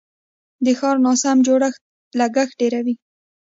د ښار ناسم جوړښت لګښت ډیروي.